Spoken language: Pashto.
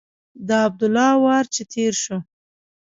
د عبدالله وار چې تېر شو.